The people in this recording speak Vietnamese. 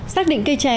xác định cây trè